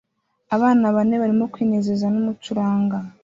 Abana bane barimo kwinezeza numucuranga